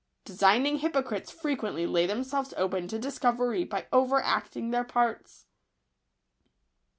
Designing hypocrites frequently lay them selves open to discovery by over acting their parts.